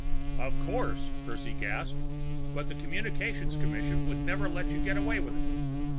"Of course," Percy gasped. "But the Communications Commission would never let you get away with it!"